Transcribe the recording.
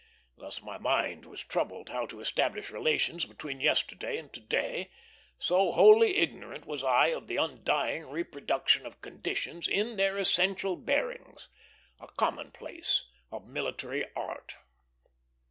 Thus my mind was troubled how to establish relations between yesterday and to day; so wholly ignorant was I of the undying reproduction of conditions in their essential bearings a commonplace of military art.